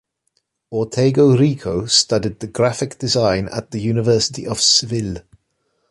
Ortega Rico studied Graphic Design at the University of Seville.